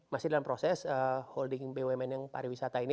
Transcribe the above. masih dalam proses holding bumn yang pariwisata ini